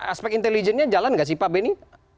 aspek intelijennya jalan nggak sih pak benny